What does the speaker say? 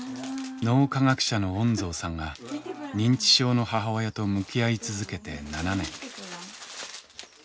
脳科学者の恩蔵さんが認知症の母親と向き合い続けて７年。